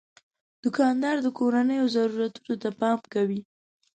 دوکاندار د کورنیو ضرورتونو ته پام کوي.